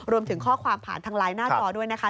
รวมถึงข้อความผ่านทางไลน์หน้าจอด้วยนะคะ